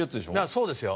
そうですよ。